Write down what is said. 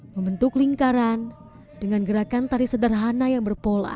membentuk lingkaran dengan gerakan tari sederhana yang berpola